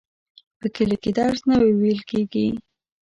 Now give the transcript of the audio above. په کلي کي درس نه وویل کیږي.